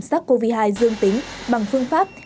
sắc covid một mươi chín dương tính bằng phương pháp